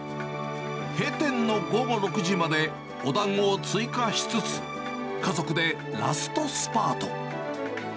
閉店の午後６時まで、おだんごを追加しつつ、家族でラストスパート。